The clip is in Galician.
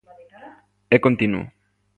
É continuo.